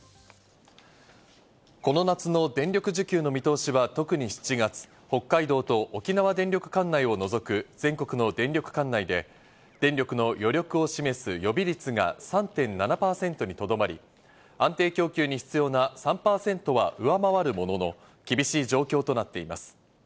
この夏の電力需給の見通しは特に７月、北海道と沖縄電力管内を除く全国の電力管内で、電力の余力を示す予備率が３．７％にとどまり、安定供給に必要な３％は上回るものの、厳しい状況となっています。